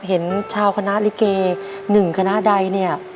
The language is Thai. เห็นชาวคณะลิเก๑คณะใดเนี่ย